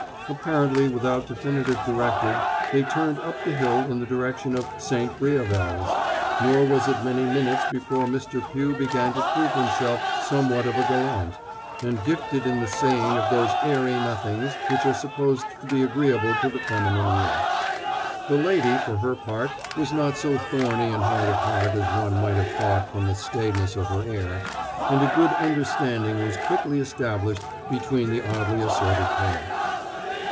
Apparently without definite directive, they turned up the hill in the direction of "St. Briavels," nor was it many minutes before Mr. Pugh began to prove himself somewhat of a gallant, and gifted in the saying of those airy nothings which are supposed to be agreeable to the feminine ear. The lady, for her part, was not so thorny and hard of heart as one might have thought from the staidness of her air, and a good understanding was quickly established between the oddly assorted pair.